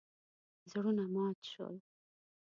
زړونه مات شول.